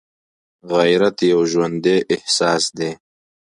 غیرت یو ژوندی احساس دی